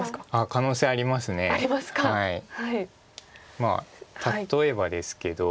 まあ例えばですけど。